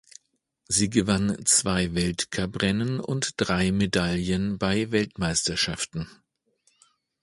Sie gewann zwei Weltcuprennen und drei Medaillen bei Weltmeisterschaften.